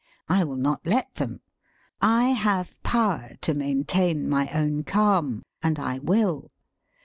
I will not let them. I have power to maintain my own calm, and I will.